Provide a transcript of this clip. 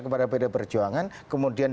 kepada bd perjuangan kemudian